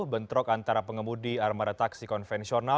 bentrok antara pengemudi armada taksi konvensional